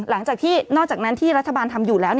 หลังจากที่นอกจากนั้นที่รัฐบาลทำอยู่แล้ว